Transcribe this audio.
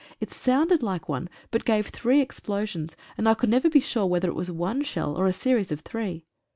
It sounded like one, but gave three explosions, and I could never be sure whether it was one shell, or a series of three.